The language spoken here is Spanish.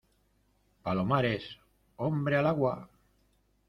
¡ palomares! ¡ hombre al agua !